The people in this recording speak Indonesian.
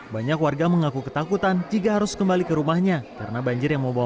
banyak warga mengaku ketakutan jika harus kembali ke rumahnya karena banjir yang membawa